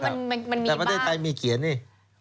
มันมีแต่ประเทศไทยมีเขียนนี่